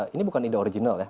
ini bukan ide original ya